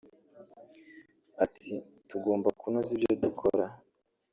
Ati “ tugomba kunoza ibyo dukora